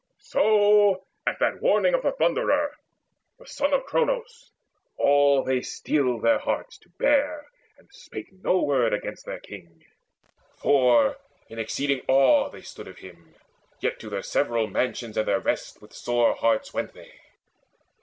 So, at that warning of the Thunderer, The Son of Cronos, all they steeled their hearts To bear, and spake no word against their king; For in exceeding awe they stood of him. Yet to their several mansions and their rest With sore hearts went they.